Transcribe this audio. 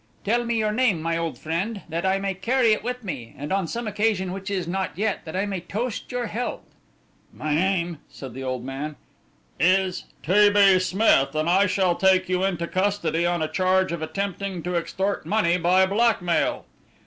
"Tell me your name, my old friend, that I may carry it with me, and on some occasion which is not yet, that I may toast your health." "My name," said the old man, "is T. B. Smith, and I shall take you into custody on a charge of attempting to extort money by blackmail."